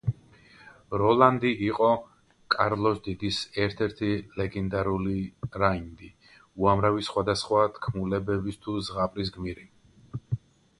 როლანდი იყო კარლოს დიდის ერთ-ერთი ლეგენდარული რაინდი, უამრავი სხვადასხვა თქმულების თუ ზღაპრის გმირი.